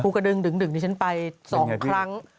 ภูกฎึงดึ่งดิฉันไป๒ครั้ง